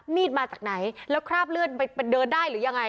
มาจากไหนแล้วคราบเลือดไปเดินได้หรือยังไง